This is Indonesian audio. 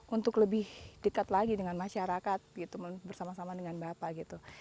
untuk lebih dekat lagi dengan masyarakat gitu bersama sama dengan bapak gitu